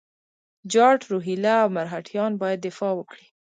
جاټ، روهیله او مرهټیان باید دفاع وکړي.